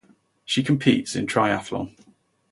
She competes in triathlon.